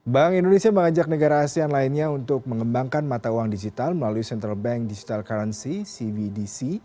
bank indonesia mengajak negara asean lainnya untuk mengembangkan mata uang digital melalui central bank digital currency cvdc